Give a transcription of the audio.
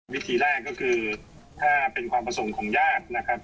วิธีแรกก็คือถ้าเป็นความประสงค์ของญาตินะครับ